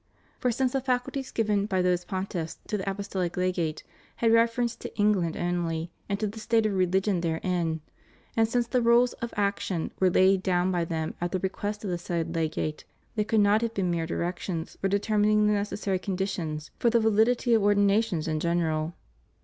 For since the faculties given by these Pontiffs to the ApostoUc Legate had reference to England onh^ and to the state of reUgion therein, and since the rules of action were laid down by them at the request of the said Legate, they could not have been mere directions for determining the necessary conditions for the validity of ordinations in general.